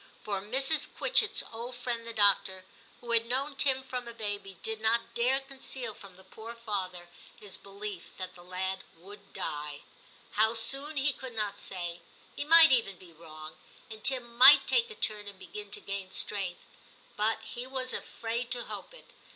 For Mrs. Quitchett's old friend the doctor, who had known Tim from a baby, did not dare conceal from the poor father his XII TIM 293 belief that the lad would die. How soon he could not say ; he might even be wrong, and Tim might take a turn and begin to gain strength ; but he was afraid to hope it.